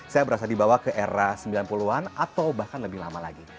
saya berasa dibawa ke era sembilan puluh an atau bahkan lebih lama lagi